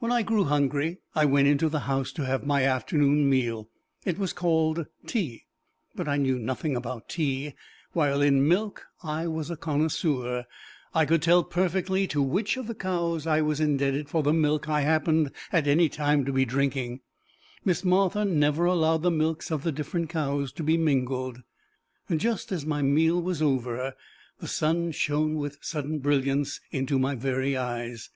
When I grew hungry, I went into the house to have my afternoon meal. It was called tea, but I knew nothing about tea, while in milk I was a connoisseur. I could tell perfectly to which of the cows I was indebted for the milk I happened at any time to be drinking: Miss Martha never allowed the milks of the different cows to be mingled. Just as my meal was over, the sun shone with sudden brilliance into my very eyes.